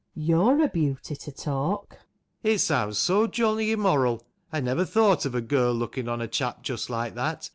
You're a beauty to talk ! ALAN. It sounds so jolly immoral. I never thought of a girl looking on a chap just like that